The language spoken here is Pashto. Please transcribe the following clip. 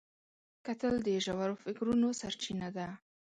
کتل د ژور فکرونو سرچینه ده